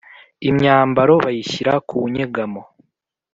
imyambaro bayishyira ku nyegamo.